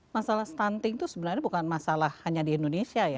masalah stunting itu sebenarnya bukan masalah hanya di indonesia ya